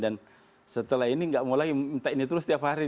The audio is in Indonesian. setelah ini nggak mau lagi minta ini terus tiap hari